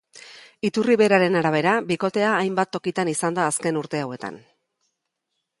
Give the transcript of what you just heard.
Iturri beraren arabera, bikotea hainbat tokitan izan da azken urte hauetan.